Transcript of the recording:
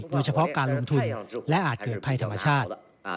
โดยเฉพาะการลงทุนและอาจเกิดภัยธรรมชาติ